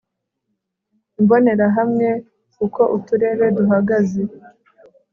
imbonerahamwe uko uturere duhagaze